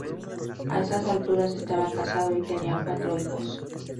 A esas alturas estaba casado y tenía cuatro hijos.